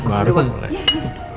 baru juga mulai